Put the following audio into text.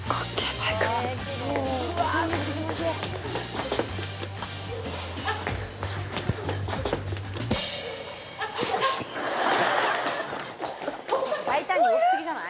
バイク大胆に動きすぎじゃない？